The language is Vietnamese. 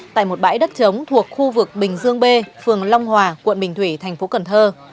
tại một bãi đất trống thuộc khu vực bình dương b phường long hòa quận bình thủy thành phố cần thơ